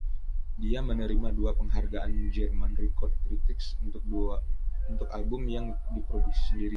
Dia menerima dua penghargaan German Record Critics’ untuk album yang diproduksi sendiri.